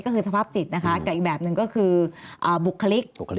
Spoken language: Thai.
ก็คือสภาพจิตนะคะกับอีกแบบหนึ่งก็คือบุคลิก